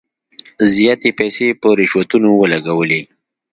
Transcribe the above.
زیاتي پیسې په رشوتونو ولګولې.